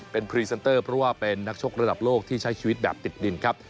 เป็นพรีเซนเตอร์เพราะว่าเป็นนักชกระดับโลกที่ใช้ชีวิตแบบติดดินครับ